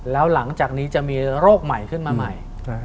แล้วหลังจากนี้จะมีโรคใหม่ขึ้นมาใหม่